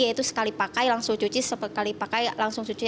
yaitu sekali pakai langsung cuci sepekali pakai langsung cuci